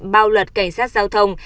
bao luật cảnh sát giao thông